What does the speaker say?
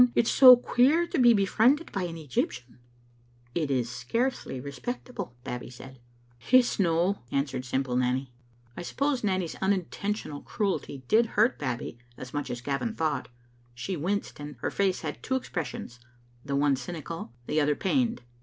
It's so queer to be befriended by an Egyptian. " "It is scarcely respectable," Babbie said. Digitized by VjOOQ IC Vo tbe Moman'0 piping. itt " It's no," answered simple Nanny. I suppose Nanny's unintentional cruelty did hurt Babbie as much as Gavin thought. She winced, and her face had two expressions, the one cynical, the other pained.